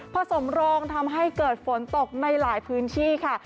สมโรงทำให้เกิดฝนตกในหลายพื้นที่ค่ะ